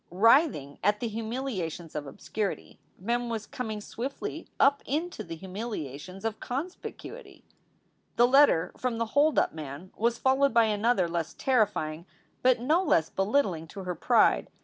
Writhing at the humiliations of obscurity, Mem was com ing swiftly up into the humiliations of conspicuity. The letter from the hold up man was followed by another less terrifying, but no less belittling to her pride.